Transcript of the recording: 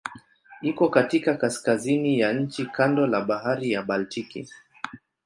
Iko katika kaskazini ya nchi kando la Bahari ya Baltiki.